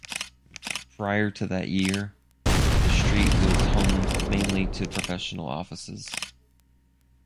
Prior to that year, the street was home mainly to professional offices.